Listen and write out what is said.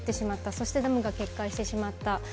そしてダムが決壊してしまった。